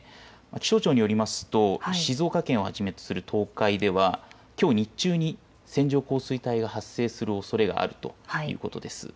気象庁によりますと静岡県をはじめとする東海ではきょう日中に線状降水帯が発生するおそれがあるということです。